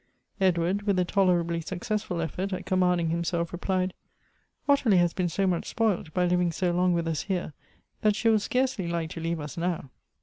Edward, with a tolerably successful effort at command ing himself, replied, " Ottilie has been so much spoilt, by living so long with us here, that she will scarcely like to leave us now."